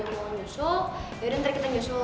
kalo misalnya dia mau nyusul yaudah ntar kita nyusul